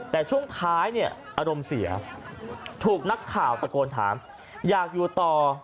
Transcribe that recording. แต่ช่วงท้ายเนี่ยอารมณ์เสียถูกนักข่าวตะโกนถามอยากอยู่ต่อ